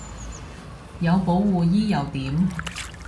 有保護衣又點